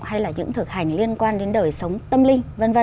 hay là những thực hành liên quan đến đời sống tâm linh v v